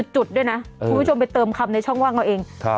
จุดด้วยนะคุณผู้ชมไปเติมคำในช่องว่างเราเอง